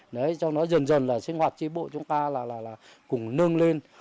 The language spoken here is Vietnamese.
để cho nó dần dần là sinh hoạt tri bộ chúng ta là cũng nâng lên